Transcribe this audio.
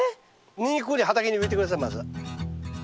ニンニクここに畑に植えて下さいまず。